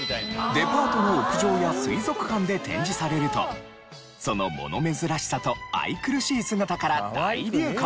デパートの屋上や水族館で展示されるとその物珍しさと愛くるしい姿から大流行。